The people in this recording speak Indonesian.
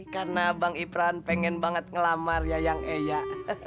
karena bang iprah pengen banget ngelamar yayang eyak